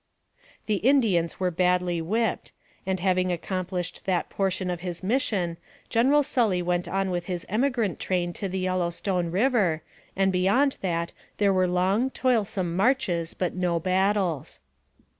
The Indians were badly whipped, and having accom plished that portion of his mission, General Sully went on with his emigrant train to the Yellow Stone River, and beyond that there were long, toilsome marches, but no battles.